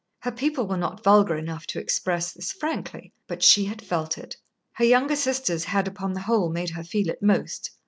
Her people were not vulgar enough to express this frankly, but she had felt it. Her younger sisters had, upon the whole, made her feel it most.